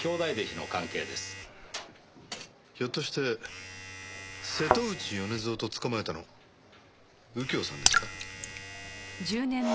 ひょっとして瀬戸内米蔵を取っ捕まえたの右京さんですか？